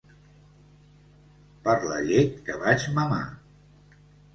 Per la llet que vaig mamar!